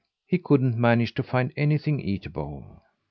He couldn't manage to find anything eatable.